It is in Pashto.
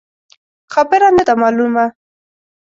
خبره نه ده مالونه.